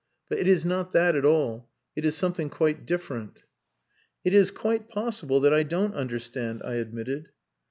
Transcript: But it is not that at all. It is something quite different." "It is quite possible that I don't understand," I admitted.